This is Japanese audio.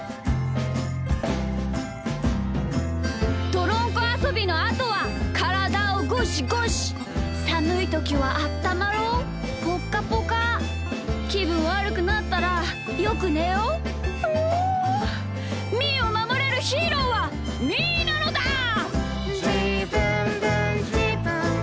「どろんこあそびのあとはからだをゴシゴシ」「さむいときはあったまろうぽっかぽか」「きぶんわるくなったらよくねよう！」「みーをまもれるヒーローはみーなのだー！」